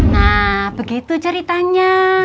nah begitu ceritanya